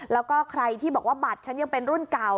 แล้วก็ใครที่บอกว่าบัตรฉันยังเป็นรุ่นเก่า